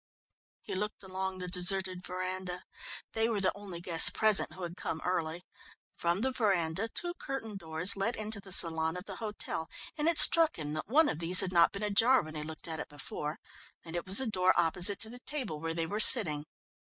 He looked along the deserted veranda. They were the only guests present who had come early. From the veranda two curtained doors led into the salon of the hotel and it struck him that one of these had not been ajar when he looked at it before, and it was the door opposite to the table where they were sitting.